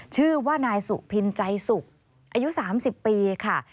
ชื่อว่านายสุพินใจสุขอายุ๓๐ปีค่ะ